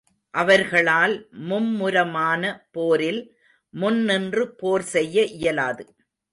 அவர்களால் மும்முரமான போரில் முன் நின்று போர் செய்ய இயலாது.